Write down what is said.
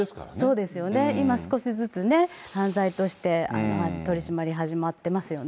そうですね、今少しずつ犯罪として取締り始まってますよね。